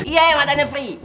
iya mata aneh perih